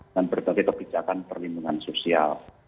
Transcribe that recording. dan berbagai kebijakan perlindungan sosial